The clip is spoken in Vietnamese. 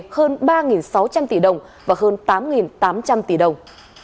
hơn ba sáu trăm linh tỷ đồng và hơn tám tám trăm linh tỷ đồng